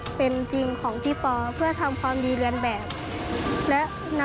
และนำไปประพฤติจริงที่โรงเรียนค่ะ